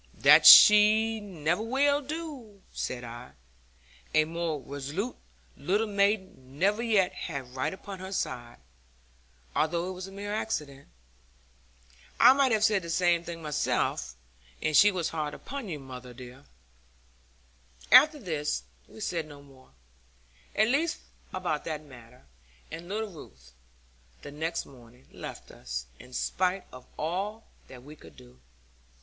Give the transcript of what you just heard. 'That she will never do,' said I; 'a more resolute little maiden never yet had right upon her side; although it was a mere accident. I might have said the same thing myself, and she was hard upon you, mother dear.' After this, we said no more, at least about that matter; and little Ruth, the next morning, left us, in spite of all that we could do.